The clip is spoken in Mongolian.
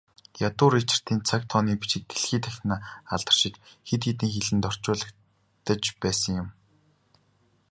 Ядуу Ричардын цаг тооны бичиг дэлхий дахинаа алдаршиж, хэд хэдэн хэлэнд орчуулагдаж байсан юм.